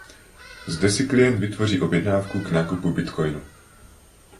Zde si klient vytvoří objednávku k nákupu Bitcoinu.